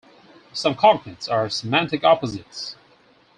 Some cognates are semantic opposites.